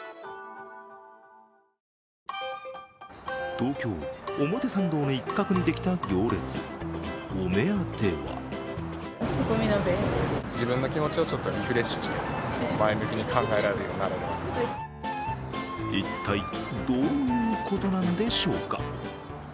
東京・表参道の一角にできた行列、お目当ては一体どういうことなんでしょうか？